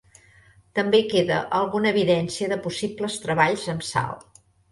També queda alguna evidència de possibles treballs amb sal.